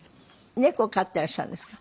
猫を飼ってらっしゃるんですか？